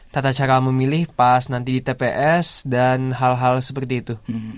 tata cara memilih pas nanti di tps dan hal hal seperti itu